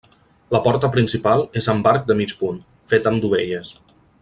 La porta principal és amb arc de mig punt, fet amb dovelles.